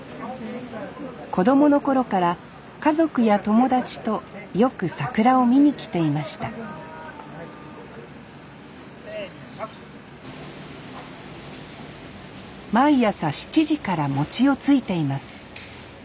子供の頃から家族や友達とよく桜を見に来ていました毎朝７時から餅をついています。